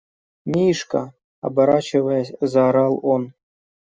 – Мишка! – оборачиваясь, заорал он.